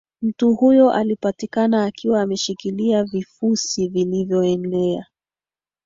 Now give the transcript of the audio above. mtu huyo alipatikana akiwa ameshikilia vifusi vilivyoelea